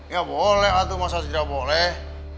ya boleh aduh masalah tidak boleh